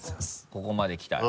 ここまできたら。